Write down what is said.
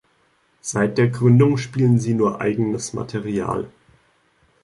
Seit der Gründung spielen sie nur eigenes Material.